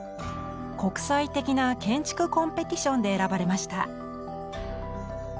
国際的な建築コンペティションで選ばれました。